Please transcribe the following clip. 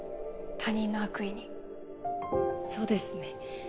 他人の悪意にそうですね。